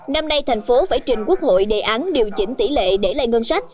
năm nay thành phố phải trình quốc hội đề án điều chỉnh tỷ lệ để lây ngân sách